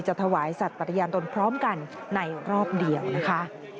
ถวายสัตว์ปฏิญาณตนพร้อมกันในรอบเดียวนะคะ